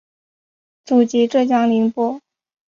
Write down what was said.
祖籍浙江宁波。